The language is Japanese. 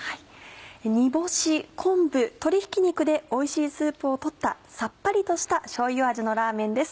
煮干し昆布鶏ひき肉でおいしいスープを取ったさっぱりとしたしょうゆ味のラーメンです。